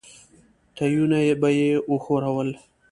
تيونه به يې وښورول.